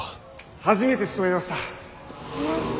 初めてしとめました。